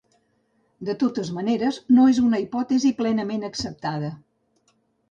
De totes maneres, no és una hipòtesi plenament acceptada.